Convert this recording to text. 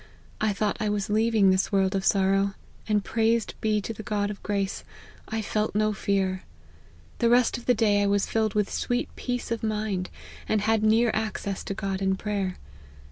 I thought I was leaving this world of sorrow ; and, praised be the God of grace, I felt no fear. The rest oi the day I was filled with sweet peace of mind, and had near access to God in prayer.